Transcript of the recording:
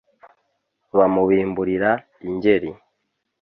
Bamubimburira Ingeri